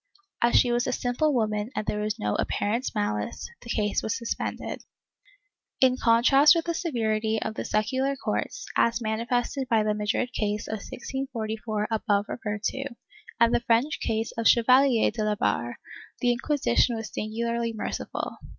As she was a simple woman and there was no apparent malice, the case was suspended.^ In contrast with the severity of the secular courts, as manifested by the Madrid case of 1644 above referred to, and the French case of the Chevalier de La Barre, the Inquisition was singularly merciful.